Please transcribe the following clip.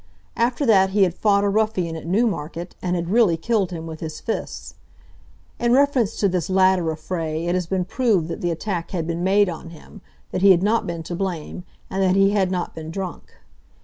After that he had fought a ruffian at Newmarket, and had really killed him with his fists. In reference to this latter affray it had been proved that the attack had been made on him, that he had not been to blame, and that he had not been drunk.